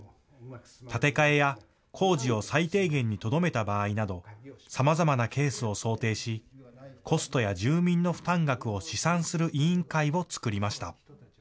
建て替えや工事を最低限にとどめた場合などさまざまなケースを想定しコストや住民の負担額を試算する委員会を作りました。